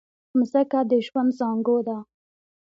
مځکه د ژوند زانګو ده.